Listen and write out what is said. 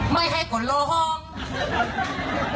ไม่ให้ก่อนลอง